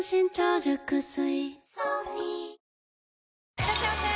いらっしゃいませ！